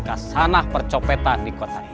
kasanah percopetan di kota ini